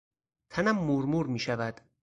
تنم مورمور میشود.